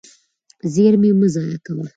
زیرمې مه ضایع کوه.